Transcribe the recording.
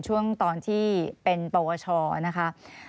ช่วงตอนที่เป็นปวชนะคะ